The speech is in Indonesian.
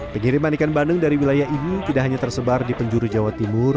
pengiriman ikan bandeng dari wilayah ini tidak hanya tersebar di penjuru jawa timur